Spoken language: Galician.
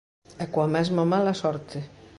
E coa mesma mala sorte.